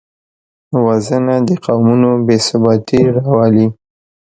وژنه د قومونو بېثباتي راولي